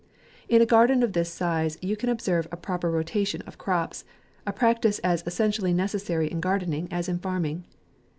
In a garden of this size, you can observe a proper rotation of crops, a practice as essentially necessary in gar dening as in farming.